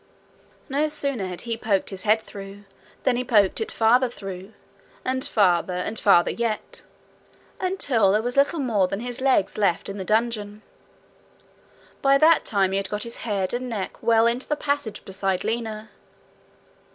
No sooner had he poked his head through than he poked it farther through and farther, and farther yet, until there was little more than his legs left in the dungeon. By that time he had got his head and neck well into the passage beside Lina.